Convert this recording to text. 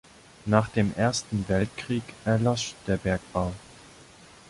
Nach dem Ersten Weltkrieg erlosch der Bergbau.